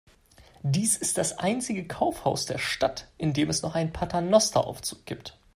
Dies ist das einzige Kaufhaus der Stadt, in dem es noch einen Paternosteraufzug gibt.